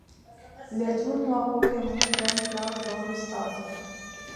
Les tournois Pokémon prennent place dans le Stadium.